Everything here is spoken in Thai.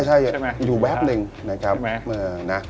ใช่อยู่แวบนึง